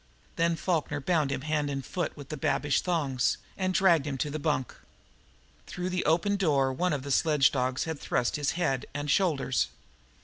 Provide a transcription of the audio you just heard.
Then Falkner bound him hand and foot with the babiche thongs, and dragged him to the bunk. Through the open door one of the sledge dogs had thrust his head and shoulders.